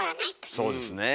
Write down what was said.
そうですね。